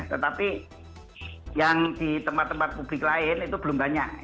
tetapi yang di tempat tempat publik lain itu belum banyak